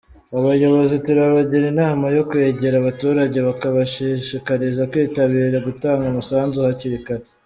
Abayobozi turabagira inama yo kwegera abaturage bakabashishikariza kwitabira gutanga umusanzu hakiri kare”.